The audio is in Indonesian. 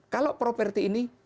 kalau properti ini